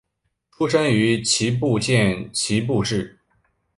出身于岐阜县岐阜市。